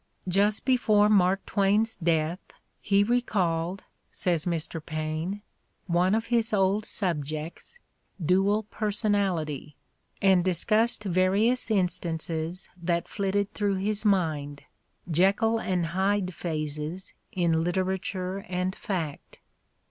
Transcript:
Just before Mark Twain 's death, he recalled, says Mr. Paine, "one of his old subjects, Dual Personality, and discussed various instances that flitted through his mind — Jekyll and Hyde phases in literature and fact.